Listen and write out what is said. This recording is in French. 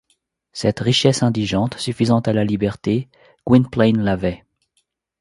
Cette richesse indigente, suffisante à la liberté, Gwynplaine l’avait.